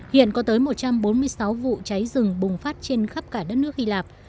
hiện có tới một trăm bốn mươi sáu vụ cháy rừng bùng phát trên khắp cả đất nước hy lạp